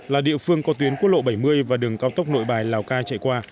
là địa phương có tuyến quốc lộ bảy mươi và đường cao tốc nội bài lào cai chạy qua